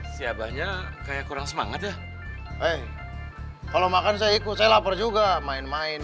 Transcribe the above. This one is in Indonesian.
siapanya kayak kurang semangat ya eh kalau makan saya ikut saya lapar juga main main